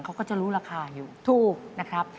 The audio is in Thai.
เขาก็จะรู้ราคาอยู่ถูกนะครับ